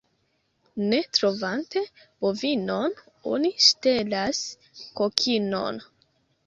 Ne trovante bovinon, oni ŝtelas kokinon.